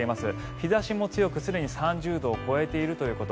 日差しも強く、すでに３０度を超えているということ。